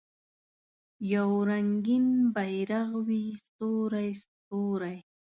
یو رنګین بیرغ وي ستوری، ستوری